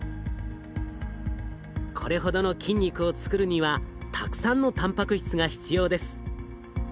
これほどの筋肉を作るにはたくさんのたんぱく質が必要です。